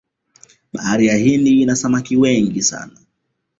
bahari ya hindi ina samaki wengi sana